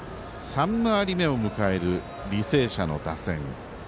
３回り目を迎える履正社の打線。